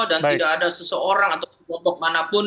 dan tidak ada seseorang atau kelompok manapun